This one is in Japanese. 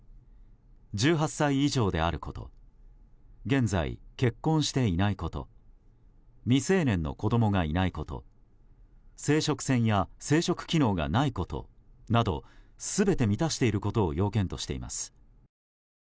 １８歳以上であること現在、結婚していないこと未成年の子供がいないこと生殖腺や生殖機能がないことなど全て満たしていることを要件としています。